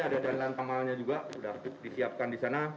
ada jalan jalan kamarnya juga sudah disiapkan disana